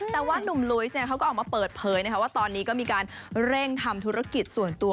แต่ว่านุ่มลุยเขาก็ออกมาเปิดเผยว่าตอนนี้ก็มีการเร่งทำธุรกิจส่วนตัว